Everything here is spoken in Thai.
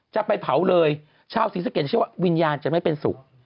จะไปเผาเลยชาวศรีสะเกดเชื่อว่าวิญญาณจะไม่เป็นสุข